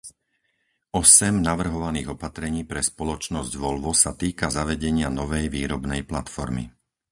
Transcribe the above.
Osem navrhovaných opatrení pre spoločnosť Volvo sa týka zavedenia novej výrobnej platformy.